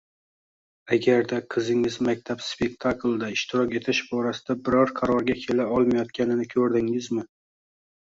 Agarda qizingiz maktab spektaklida ishtirok etish borasida bir qarorga kela olmayotganini ko‘rsingizmi?